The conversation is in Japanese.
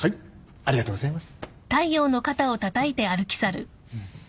ありがとうございます。